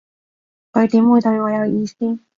佢點會對我有意思